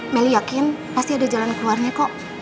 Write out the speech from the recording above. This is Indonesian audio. meli yakin pasti ada jalan keluarnya kok